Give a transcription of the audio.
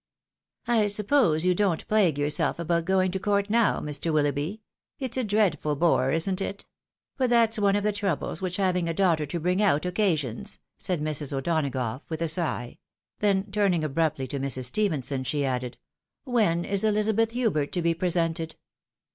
" I suppose you don't plague yourself about going to court now, Mr. Willoughby ? it's a dreadful bore, isn't it ? But that's one of the troubles which having a daughter to bring out occasions !" said Mrs. O'Donagough, with a sigh ; then turning abruptly to Mrs. Stephenson, she added, " When is EUzabeth Hubert to be presented